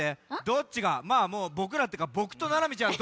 どっちがまあもうぼくらっていうかぼくとななみちゃん